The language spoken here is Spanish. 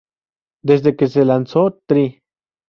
Desde que se lanzó "Try!